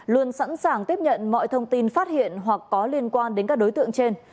luôn sẵn sàng tiếp nhận mọi thông tin phát hiện hoặc có liên quan đến các đối tượng trên